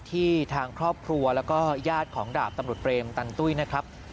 ทางครอบครัวแล้วก็ญาติของดาบตำรวจเบรมตันตุ้ยนะครับ